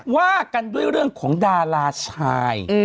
ว่ากันด้วยเรื่องของดาราชาย